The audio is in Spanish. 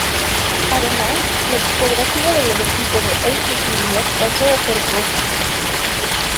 Además, la tipografía del logotipo de Atresmedia pasó a ser Gotham.